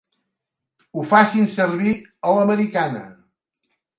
Ho facin servir a l'americana.